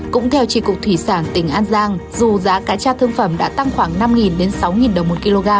cũng theo trị cục thủy sản tỉnh an giang dù giá cá cha thương phẩm đã tăng khoảng năm sáu đồng một kg